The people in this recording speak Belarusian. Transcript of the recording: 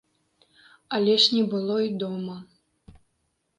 Але ж не было і дома.